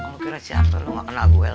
lo kira siapa lo gak kenal gue lo